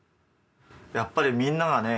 やっぱりみんながね